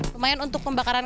lumayan untuk pembakaran